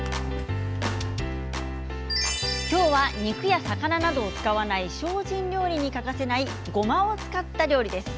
肉や魚などを使わない精進料理に欠かせないごまを使った料理です。